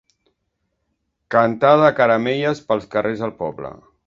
Cantada de Caramelles pels carrers del poble.